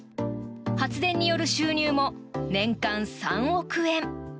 発電による収入も年間３億円。